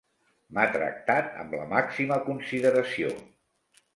M'ha tractat amb la màxima consideració.